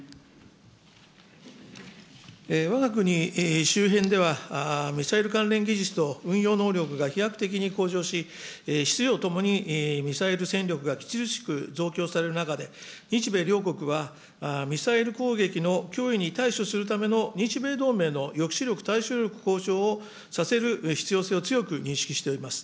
わが国周辺では、ミサイル関連技術と運用能力が飛躍的に向上し、質量ともにミサイル戦力が著しく増強される中で、日米両国は、ミサイル攻撃の脅威に対処するための日米同盟の抑止力、対処力向上をさせる必要性を強く認識しております。